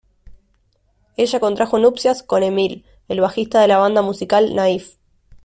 Ella contrajo nupcias con Emil, el bajista de la banda musical Naif.